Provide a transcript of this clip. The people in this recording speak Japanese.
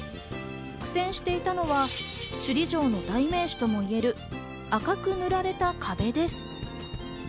苦戦していたのは首里城の代名詞ともいえる赤く塗られた壁です。